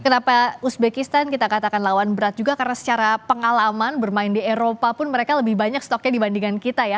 kenapa uzbekistan kita katakan lawan berat juga karena secara pengalaman bermain di eropa pun mereka lebih banyak stoknya dibandingkan kita ya